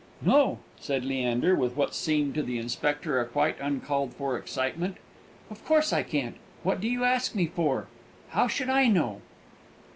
"No," said Leander, with what seemed to the inspector a quite uncalled for excitement, "of course I can't! What do you ask me for? How should I know?"